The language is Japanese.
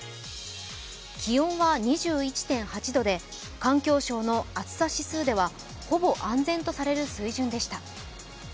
気温は２１．８度で環境省の暑さ指数ではほぼ安全とされる水準でした。